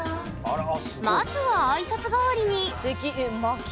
まずは挨拶代わりにすてき。